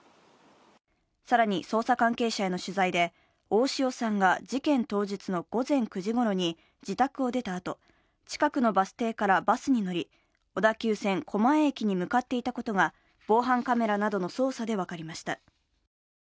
更に、捜査関係者への取材で、大塩さんが事件当日の午前９時ごろに自宅を出たあと、近くのバス停からバスに乗り、小田急線狛江駅に向かっていたことが防犯カメラなどの捜査で分かりました。